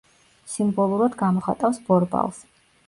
სიმბოლურად გამოხატავს ბორბალს.